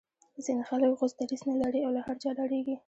ځینې خلک غوڅ دریځ نه لري او له هر چا ډاریږي